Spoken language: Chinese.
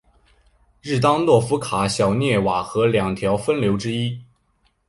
日当诺夫卡小涅瓦河两条分流之一。